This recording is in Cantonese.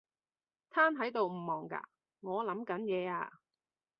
癱喺度唔忙㗎？我諗緊嘢呀